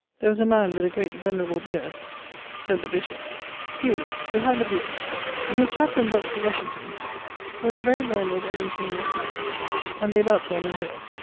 There was a man with a great venerable beard; sayd the bishop, 'You, behind the beard.' His chaplain, Dr. Lushington[CS], was a very learned and ingeniose man, and they loved one another.